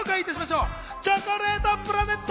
チョコレートプラネット。